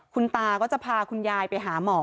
คุณตาก็จะพาคุณยายไปหาหมอ